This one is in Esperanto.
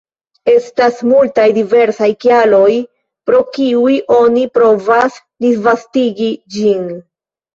Estas multaj diversaj kialoj, pro kiuj oni provas disvastigi ĝin.